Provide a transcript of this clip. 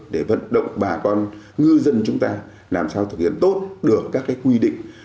để vận động bà con ngư dân chúng ta làm sao thực hiện tốt được các quy định